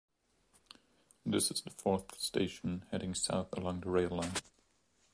This is the fourth station heading south along the rail line.